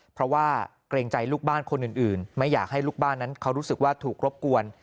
เพราะว่าเกรงใจลูกบ้านคนอื่นไม่อยากให้ลูกบ้านนั้นเขารู้สึกว่าถูกรบกวน